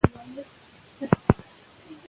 پر وېښتو دوامداره جیل کارول خطرناک دي.